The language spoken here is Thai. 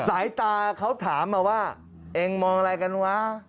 สายตาเขาถามมาว่าเองมองอะไรกันวะ